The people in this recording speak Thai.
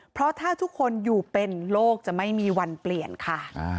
เพราะถ้าทุกคนอยู่เป็นโลกจะไม่มีวันเปลี่ยนค่ะ